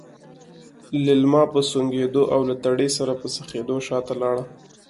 ليلما په سونګېدو او له تړې سره په څخېدو شاته لاړه.